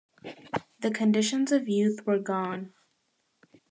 The conditions of youth were gone.